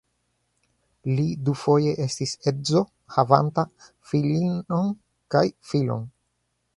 Li dufoje estis edzo havanta filinon kaj filon.